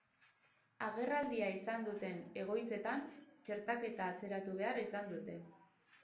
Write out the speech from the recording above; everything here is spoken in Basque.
Agerraldia izan duten egoitzetan txertaketa atzeratu behar izan dute.